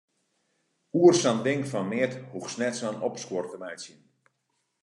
Oer sa'n ding fan neat hoechst net sa'n opskuor te meitsjen.